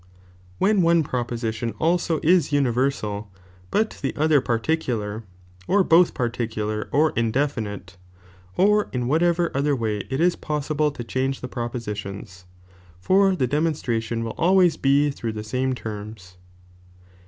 t When one proposition also is uni «■ Norftomona Tersal, but the other particular, or both particular oth«^.,Dt* or indefinite, or in whatever other way it is pos ^"'J' !"■"''" siUe to eliange the propositions, for the demon Untion will alwaj s be through the same lerms.